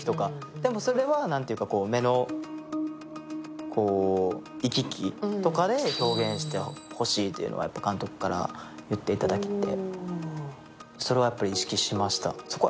でもそれは、目の行き来とかで表現してほしいというのは監督から言っていただけてそれを意識しました。